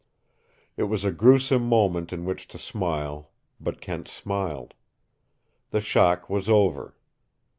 It was a gruesome moment in which to smile, but Kent smiled. The shock was over.